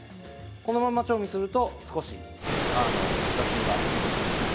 このままにすると雑味が残ってしまいます。